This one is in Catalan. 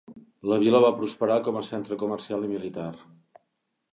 La vila va prosperar com a centre comercial i militar.